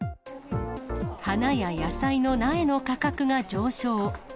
花や野菜の苗の価格が上昇。